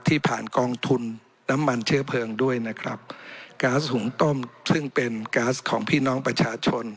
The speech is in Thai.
ที่ผ่านกองทุนน้ำมันเชื้อเพลิงด้วยนะครับก๊าซหุงต้มซึ่งเป็นก๊าซของพี่น้องประชาชน